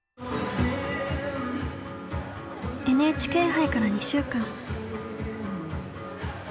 ＮＨＫ杯から２週間。